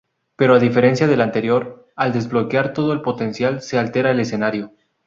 Pero a diferencia del anterior, al desbloquear todo el potencial, se altera el escenario.